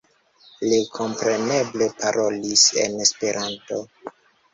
Li kompreneble parolis en Esperanto.